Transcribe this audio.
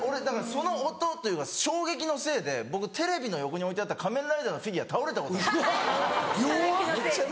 だからその音というか衝撃のせいでテレビの横に置いてあった仮面ライダーのフィギュア倒れたことが。